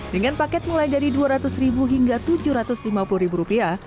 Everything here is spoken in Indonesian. dengan paket mulai dari dua ratus ribu hingga tujuh ratus lima puluh rupiah